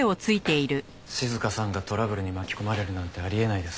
静香さんがトラブルに巻き込まれるなんてあり得ないです。